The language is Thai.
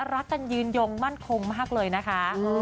รักกันยืนยงมั่นคงมากเลยนะคะ